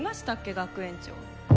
学園長。